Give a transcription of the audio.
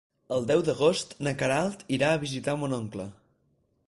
El deu d'agost na Queralt irà a visitar mon oncle.